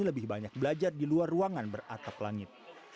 lebih banyak belajar di luar ruangan beratap langit